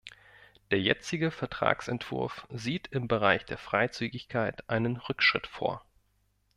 Der jetzige Vertragsentwurf sieht im Bereich der Freizügigkeit einen Rückschritt vor.